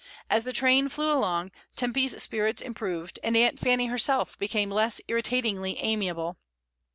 As the train flew along, Temp/s spirits improved, and Aunt Fanny herself became less irritatingly amiable.